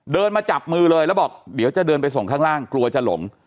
มาจับมือเลยแล้วบอกเดี๋ยวจะเดินไปส่งข้างล่างกลัวจะหลง